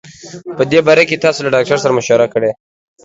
په دي باره کي تاسو له ډاکټر سره مشوره کړي